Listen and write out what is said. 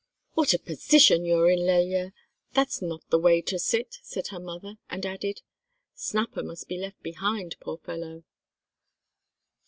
"What a position you're in, Lelya; that's not the way to sit!" said her mother, and added: "Snapper must be left behind, poor fellow."